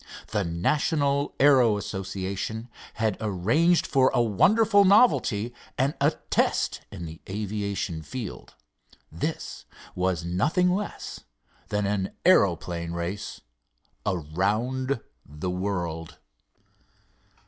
The National Aero Association had arranged for a wonderful novelty and a test in the aviation field. This was nothing less than an aeroplane race around the world.